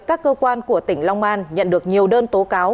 các cơ quan của tỉnh long an nhận được nhiều đơn tố cáo